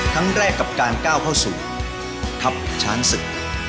ครั้งแรกกับการก้าวเข้าสู่ทัพช้างศึก